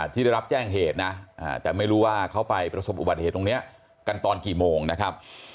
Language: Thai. ที่ได้รับแจ้งเหตุนะแต่ไม่รู้ว่าเขาไปประสบอุบัติเหตุตรงนี้กันตอนกี่โมงนะครับ